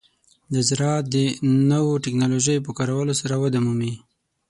د زراعت د نوو ټکنالوژیو په کارولو سره وده مومي.